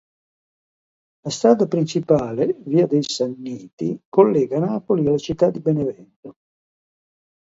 La strada principale "Via dei Sanniti" collega Napoli alla città di Benevento